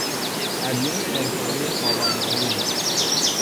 ادیان عرفانی خاور زمین